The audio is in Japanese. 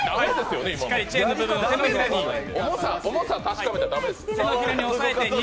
重さ確かめちゃ駄目です。